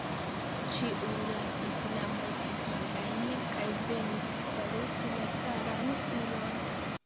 Ĉiuj lasis la mortigitajn kaj venis saluti la caran filon.